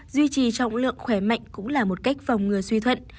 ba duy trì trọng lượng khỏe mạnh cũng là một cách phòng ngừa suy thuận